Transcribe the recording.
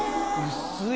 薄い！